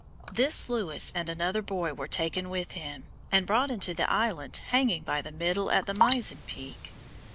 This Lewis and another boy were taken with him, and brought into the island hanging by the middle at the mizen peak.